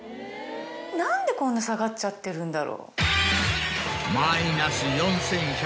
何でこんな下がっちゃってるんだろう？